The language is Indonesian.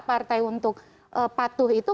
partai untuk patuh itu